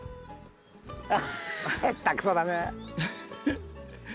へったくそだね。